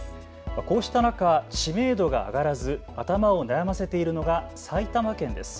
こうした中、知名度が上がらず頭を悩ませているのが埼玉県です。